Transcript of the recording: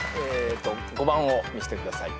５番を見せてください。